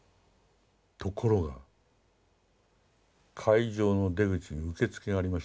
ところが会場の出口に受付がありましてね